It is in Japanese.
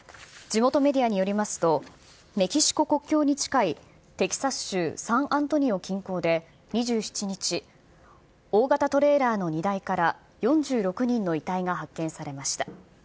地元メディアによりますと、メキシコ国境に近い、テキサス州サンアントニオ近郊で２７日、大型トレーラーの荷台から４６人の遺体が発見されました。